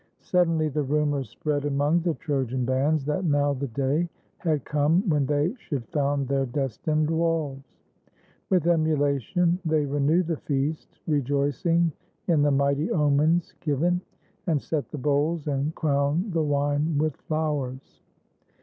Suddenly the rumor spread Among the Trojan bands, that now the day Had come when they should found their destined walls. With emulation they renew the feast, Rejoicing in the mighty omens given, And set the bowls, and crown the wine with flowers.